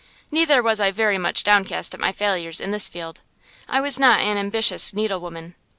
Neither was I very much downcast at my failures in this field; I was not an ambitious needlewoman.